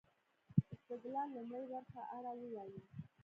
استدلال لومړۍ برخې اړه ووايو.